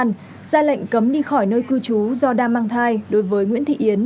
nhưng ra lệnh cấm đi khỏi nơi cư trú do đa mang thai đối với nguyễn thị yến